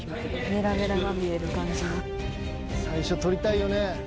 最初取りたいよね。